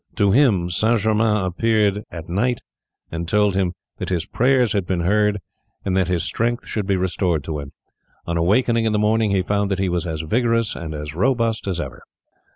To him St. Germain appeared at night and told him that his prayers had been heard, and that his strength should be restored to him. On awakening in the morning he found that he was as vigorous and as robust as ever.